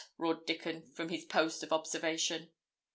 roared Dickon, from his post of observation.